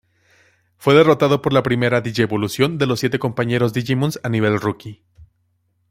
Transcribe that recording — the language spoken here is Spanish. Fue derrotado por la primera digievolución de los siete compañeros digimons a nivel rookie.